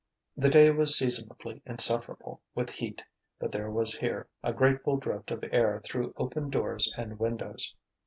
The day was seasonably insufferable with heat, but there was here a grateful drift of air through open doors and windows.